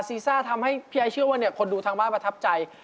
ซ่าทำให้พี่ไอ้เชื่อว่าคนดูทางบ้านประทับใจ